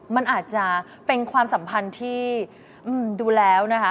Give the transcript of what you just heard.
มันอาจจะเป็นความสัมพันธ์ที่ดูแล้วนะคะ